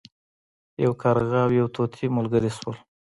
یو کارغه او یو طوطي ملګري شول.